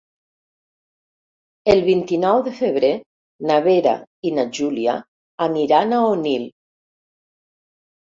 El vint-i-nou de febrer na Vera i na Júlia aniran a Onil.